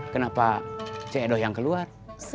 kenapa cik edo yang keluar